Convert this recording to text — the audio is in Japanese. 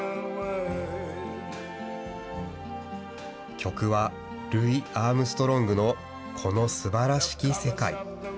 曲はルイ・アームストロングの、この素晴らしき世界。